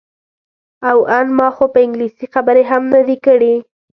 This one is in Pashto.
او ان ما خو په انګلیسي خبرې هم نه دي کړې.